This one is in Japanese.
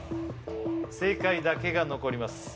正解だけが残ります